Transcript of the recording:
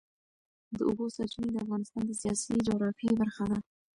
د اوبو سرچینې د افغانستان د سیاسي جغرافیه برخه ده.